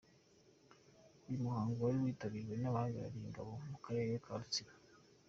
Uyu muhango wari witabiriwe n'uhagarariye ingabo mu karere ka Rutsiro.